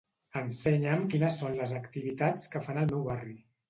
Ensenya'm quines són les activitats que fan al meu barri.